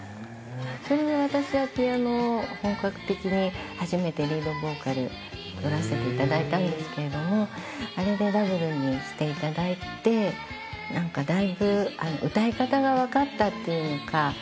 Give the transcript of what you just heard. それで『私はピアノ』を本格的に初めてリードボーカル録らせていただいたんですけれどもあれでダブルにしていただいてなんかだいぶ歌い方がわかったっていうのか